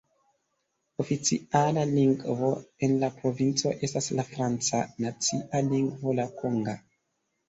Oficiala lingvo en la provinco estas la franca, nacia lingvo la konga.